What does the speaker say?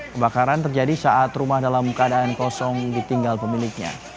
kebakaran terjadi saat rumah dalam keadaan kosong ditinggal pemiliknya